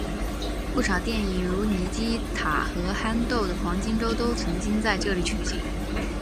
不少电影如尼基塔和憨豆的黄金周都曾经在这里取景。